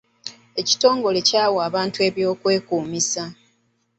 Ekitongole kyawa abantu eby'okwekuumisa.